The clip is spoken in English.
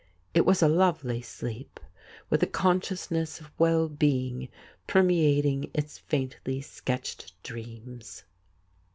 It was a lovely sleep, with a consciousness of well being permeating its faintly sketched dreams.